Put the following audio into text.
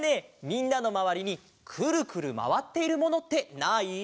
みんなのまわりにくるくるまわっているものってない？